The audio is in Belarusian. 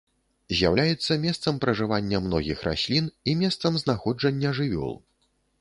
З'яўляецца месцам пражывання многіх раслін і месцам знаходжання жывёл.